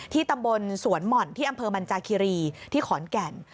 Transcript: ตำบลสวนหม่อนที่อำเภอมันจาคิรีที่ขอนแก่น